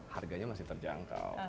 harganya masih terjangkau